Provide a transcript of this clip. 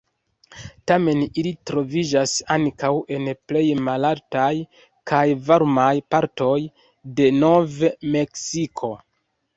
Tamen ili troviĝas ankaŭ en plej malaltaj kaj varmaj partoj de Nov-Meksiko.